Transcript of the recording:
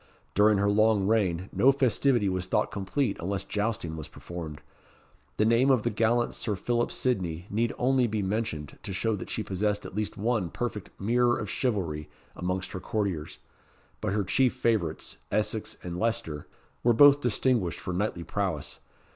During her long reign no festivity was thought complete unless jousting was performed. The name of the gallant Sir Philip Sidney need only be mentioned, to show that she possessed at least one perfect "mirror of chivalry" amongst her courtiers; but her chief favourites, Essex and Leicester, were both distinguished for knightly prowess.